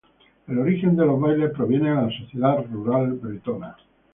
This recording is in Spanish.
El origen de los bailes proviene de la sociedad rural bretona.